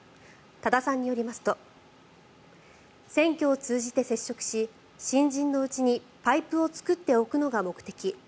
多田さんによりますと選挙を通じて接触し新人のうちにパイプを作っておくのが目的。